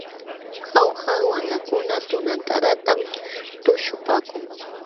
Jauja wamlakuna tunantadatam tuśhupaakun.